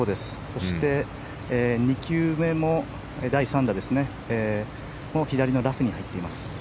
そして、２球目、第３打ですね左のラフに入っています。